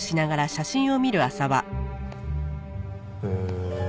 へえ。